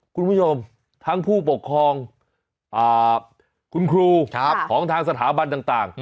คุณผู้ชมทั้งผู้ปกครองคุณครูของทางสถาบันต่าง